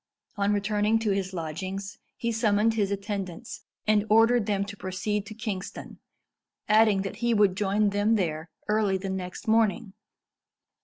On returning to his lodgings, he summoned his attendants, and ordered them to proceed to Kingston, adding that he would join them there early the next morning.